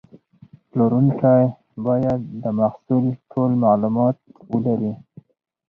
پلورونکی باید د محصول ټول معلومات ولري.